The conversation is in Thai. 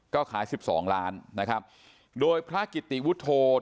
ก็ขาย๑๒ล้านนะครับโดยพระกิติวุฒโภพิกขุ